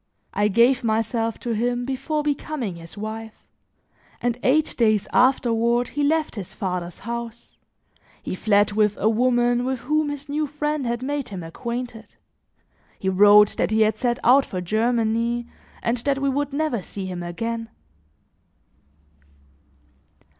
I gave myself to him before becoming his wife, and eight days afterward he left his father's house; he fled with a woman with whom his new friend had made him acquainted; he wrote that he had set out for Germany and that we would never see him again.